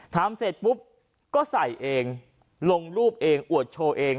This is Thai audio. ทำเสร็จปุ๊บก็ใส่เองลงรูปเองอวดโชว์เอง